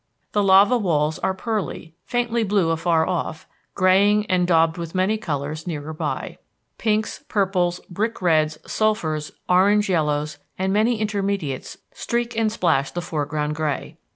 The lava walls are pearly, faintly blue afar off, graying and daubed with many colors nearer by. Pinks, purples, brick reds, sulphurs, orange yellows and many intermediates streak and splash the foreground gray.